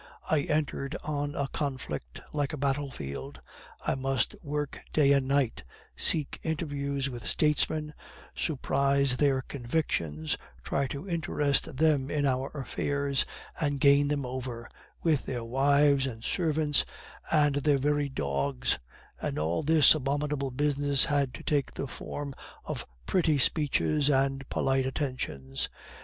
I entered on a conflict like a battlefield; I must work day and night; seek interviews with statesmen, surprise their convictions, try to interest them in our affairs, and gain them over, with their wives and servants, and their very dogs; and all this abominable business had to take the form of pretty speeches and polite attentions.